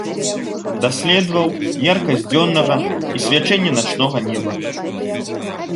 Даследаваў яркасць дзённага і свячэнне начнога неба.